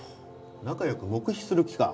仲良く黙秘する気か？